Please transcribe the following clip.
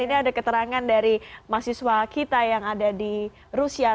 ini ada keterangan dari mahasiswa kita yang ada di rusia